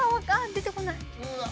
出てこない。